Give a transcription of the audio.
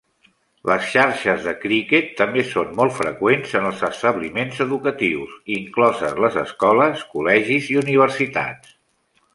Les xarxes de cricket també són molt freqüents en els establiments educatius, incloses les escoles, col·legis i universitats.